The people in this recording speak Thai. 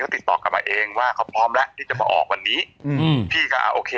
ติดต่อกลับมาเองว่าเขาพร้อมแล้วที่จะมาออกวันนี้อืมพี่ก็อ่าโอเค